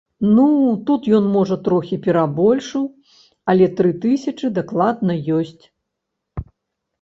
Ну, тут ён, можа, трохі перабольшыў, але тры тысячы дакладна ёсць.